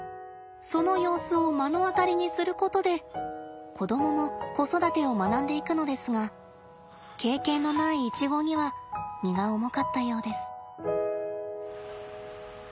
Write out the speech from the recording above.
その様子を目の当たりにすることで子供も子育てを学んでいくのですが経験のないイチゴには荷が重かったようです。